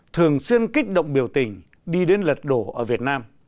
thường xuyên kích động biểu tình đi đến lật đổ ở việt nam